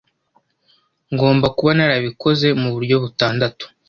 Ngomba kuba narabikoze muburyo butandatu.